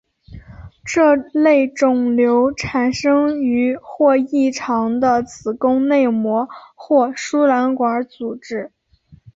这类肿瘤产生于或异常的子宫内膜或输卵管组织。